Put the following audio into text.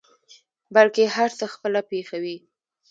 بلکې هر څه خپله پېښوي.